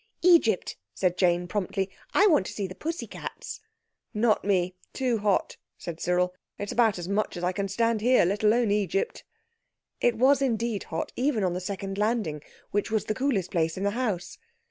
"Egypt!" said Jane promptly. "I want to see the pussy cats." "Not me—too hot," said Cyril. "It's about as much as I can stand here—let alone Egypt." It was indeed, hot, even on the second landing, which was the coolest place in the house.